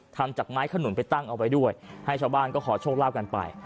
ทำจากไม้ขนุนไปตั้งเอาไว้ด้วยให้ชาวบ้านก็ขอโชคลาภกันไป